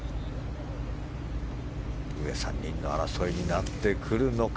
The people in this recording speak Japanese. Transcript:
上３人の争いになってくるのか